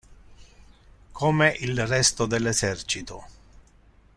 Come il resto dell'esercito.